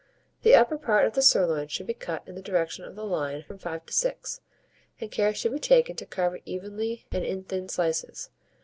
The upper part of the sirloin should be cut in the direction of the line from 5 to 6, and care should be taken to carve it evenly and in thin slices.